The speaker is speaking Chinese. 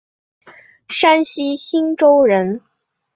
山西忻州人。